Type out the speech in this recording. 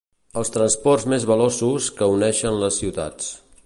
Els transports més veloços que uneixen les ciutats.